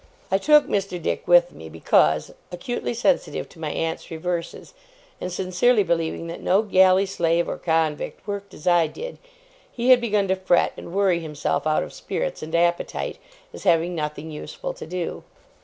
I took Mr. Dick with me, because, acutely sensitive to my aunt's reverses, and sincerely believing that no galley slave or convict worked as I did, he had begun to fret and worry himself out of spirits and appetite, as having nothing useful to do.